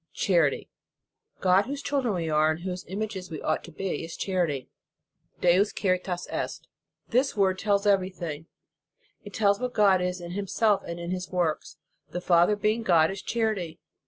Charity. God, whose children we are, and whose images we ought to be, is chanty; Deus charitas est. This word tells every thing. It tells what God is in Himself and in His works. The Father being God, is char ity.